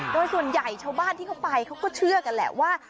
โดยส่วนใหญ่ชาวบ้านที่เขาไปเขาก็เชื่อกันแหละว่า